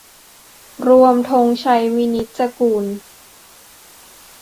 รวม ธงชัย วินิจจะกูล